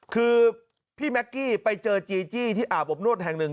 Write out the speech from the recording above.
คือพี่แม็กกี้ไปเจอจีจี้ที่อาบอบนวดแห่งหนึ่ง